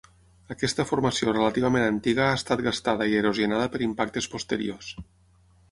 Aquesta formació relativament antiga ha estat gastada i erosionada per impactes posteriors.